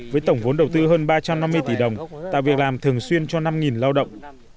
với tổng vốn đầu tư hơn ba trăm năm mươi tỷ đồng tạo việc làm thường xuyên cho năm lao động